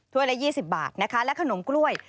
ถ้วยละ๒๐บาทและขนมกล้วย